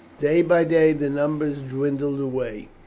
Day by day the numbers dwindled away.